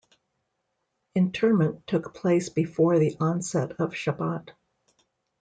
Interment took place before the onset of Shabbat.